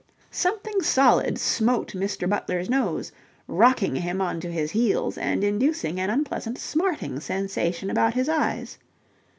Something solid smote Mr. Butler's nose, rocking him on to his heels and inducing an unpleasant smarting sensation about his eyes.